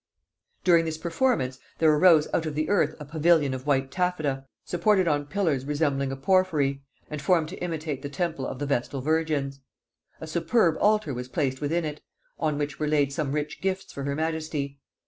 During this performance, there arose out of the earth a pavilion of white taffeta, supported on pillars resembling porphyry and formed to imitate the temple of the Vestal virgins. A superb altar was placed within it, on which were laid some rich gifts for her majesty.